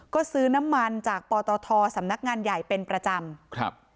ก็ซื้อน้ำมันจากปตทสำนักงานใหญ่เป็นประจำครับ